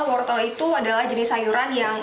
wortel itu adalah jenis sayuran yang